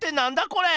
これ！